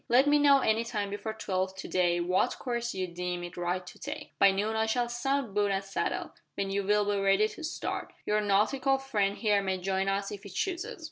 "Let me know any time before twelve to day what course you deem it right to take. By noon I shall sound boot and saddle, when you will be ready to start. Your nautical friend here may join us if he chooses."